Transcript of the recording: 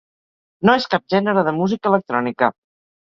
No és cap gènere de música electrònica.